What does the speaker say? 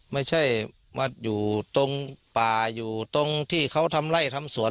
ไม่ใช่มาอยู่ตรงป่าอยู่ตรงที่เขาทำไล่ทำสวน